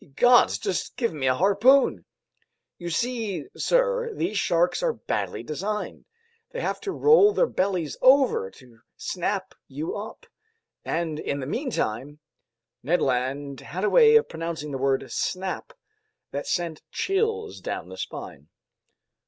"Ye gods, just give me a good harpoon! You see, sir, these sharks are badly designed. They have to roll their bellies over to snap you up, and in the meantime ..." Ned Land had a way of pronouncing the word "snap" that sent chills down the spine.